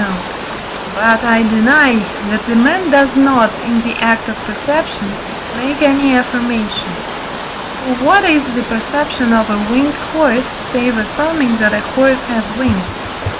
note); but I deny, that a man does not, in the act of perception, make any affirmation. For what is the perception of a winged horse, save affirming that a horse has wings?